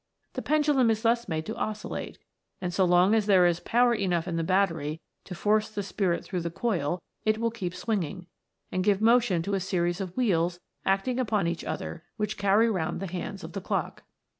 The pen dulum is thus made to oscillate ; and so long as there is power enough in the battery to force the Spirit through the coil, it will keep swinging, and give motion to a series of wheels acting upon each other which carry round the hands of the clock.